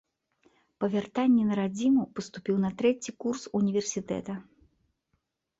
Па вяртанні на радзіму паступіў на трэці курс універсітэта.